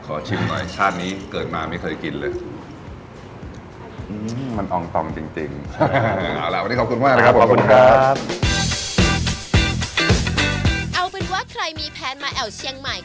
ขอชิมหน่อยชาตินี้เกิดมาไม่เคยกินเลย